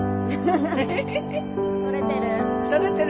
撮れてる？